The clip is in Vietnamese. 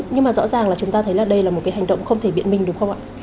nhưng mà rõ ràng là chúng ta thấy là đây là một cái hành động không thể biện minh đúng không ạ